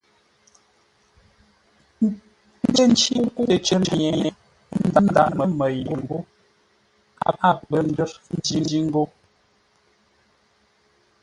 Kə̂ ncí nkə́u təcər nye, ə́ ndáʼ lə́ mə́ yé ńgó a pə́ ndə́rńjí ńgó.